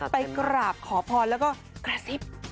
ไปกราบขอพรแล้วก็กระซิบ